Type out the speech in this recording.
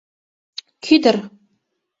— Кӱдыр!